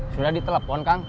sudah ditelepon kang